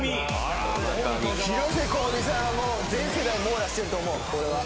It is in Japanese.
広瀬香美さんは全世代網羅してると思う。